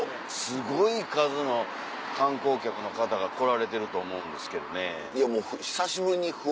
すごい数の観光客の方が来られてると思うんですけどね。